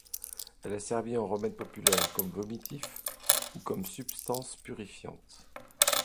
Elle a servi, en remède populaire, comme vomitif ou comme substance purifiante.